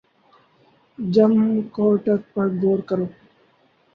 جم کورٹر پر غور کرو